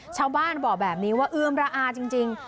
ชาวบ้านบอกแบบนี้ว่าเอื้อมระอาจริง